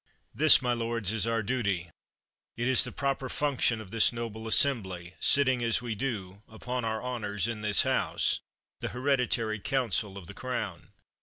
This, my lords, is our duty. It is the proper function of this noble assembly, sitting, as we do, upon our honors in this House, the heredi tary council of the Crown.